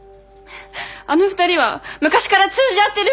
あの２人は昔から通じ合ってる。